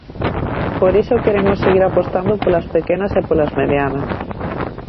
Por iso queremos seguir apostando polas pequenas e polas medianas.